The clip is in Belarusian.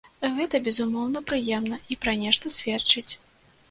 Гэта, безумоўна, прыемна, і пра нешта сведчыць.